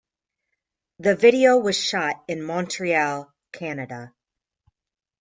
The video was shot in Montreal, Canada.